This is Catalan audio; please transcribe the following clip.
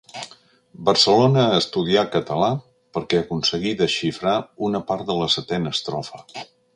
Barcelona a estudiar català perquè aconseguí desxifrar una part de la setena estrofa.